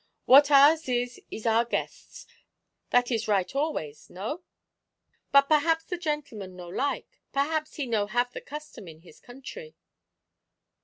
"What ours is, is our guests. That is right always, no? But perhaps the gentleman no like, perhaps he no have the custom in his country."